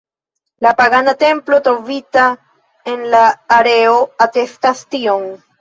La pagana templo trovita en la areo atestas tion.